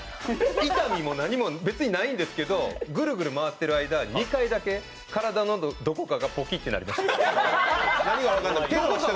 痛みも何も別にないんですけど、グルグル回ってる間、２回だけ、体のどこかがポキッってなりました。